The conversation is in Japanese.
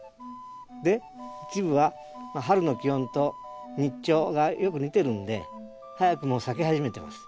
で一部は春の気温と日長がよく似てるんで早くも咲き始めてます。